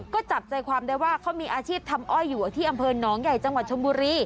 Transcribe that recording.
ก็จับใจความได้ว่าเขามีอาชีพทำอ้อยอยู่ที่อำเภอหนองใหญ่จังหวัดชมบุรี